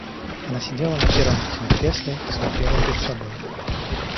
Она сидела на первом у стены кресле и смотрела пред собой.